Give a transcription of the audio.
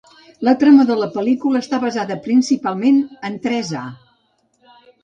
La trama de la pel·lícula està basada principalment en tres A.